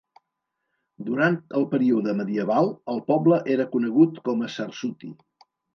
Durant el període medieval, el poble era conegut com a Sarsuti.